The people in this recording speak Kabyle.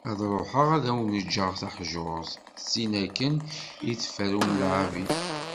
Ad ruḥeγ ad awen-ğğeγ taḥjurt, tin akken i teffer umlaԑbi.